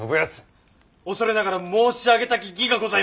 恐れながら申し上げたき儀がございます！